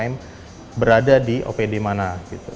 untuk mendapatkan pengembangan usaha yang menarik